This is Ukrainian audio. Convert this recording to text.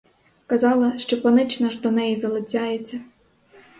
Казала, що панич наш до неї залицяється.